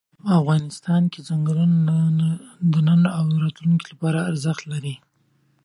افغانستان کې ځنګلونه د نن او راتلونکي لپاره ارزښت لري.